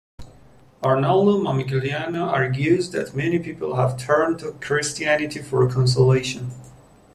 Arnaldo Momigliano argues that many people have turned to Christianity for consolation.